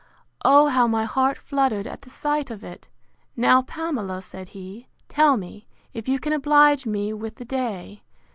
O how my heart fluttered at the sight of it! Now, Pamela, said he, tell me, if you can oblige me with the day.